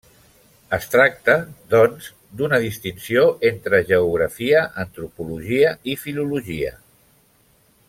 Es tracta, doncs, d'una distinció entre geografia, antropologia i filologia.